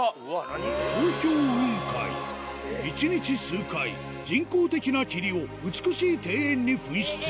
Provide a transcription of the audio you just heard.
１日数回人工的な霧を美しい庭園に噴出